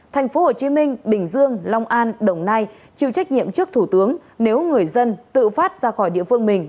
thành phố hồ chí minh bình dương long an đồng nai chịu trách nhiệm trước thủ tướng nếu người dân tự phát ra khỏi địa phương mình